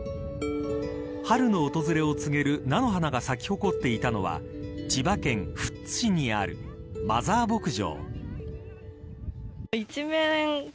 春の訪れを告げる菜の花が咲き誇っていたのは千葉県富津市にあるマザー牧場。